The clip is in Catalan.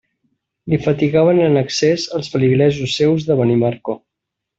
Li fatigaven en excés els feligresos seus de Benimarco.